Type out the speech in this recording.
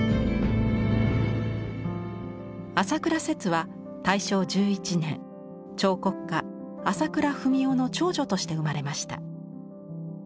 摂は大正１１年彫刻家朝倉文夫の長女として生まれました。